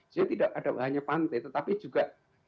jadi tidak hanya pantai tetapi juga